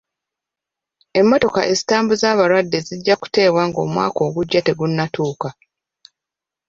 Emmotoka ezitambuza abalwadde zijja kuteebwa ng'omwaka ogujja tegunnatuuka.